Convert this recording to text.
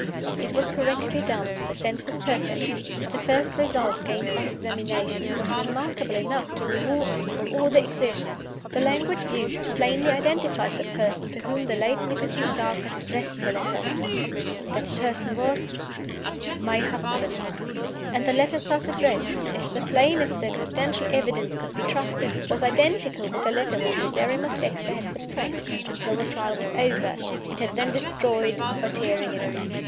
It was correctly done: the sense was perfect. The first result gained by examination was remarkable enough to reward them for all their exertions. The language used plainly identified the person to whom the late Mrs. Eustace had addressed her letter. That person was my husband. And the letter thus addressed if the plainest circumstantial evidence could be trusted was identical with the letter which Miserrimus Dexter had suppressed until the Trial was over, and had then destroyed by tearing it up.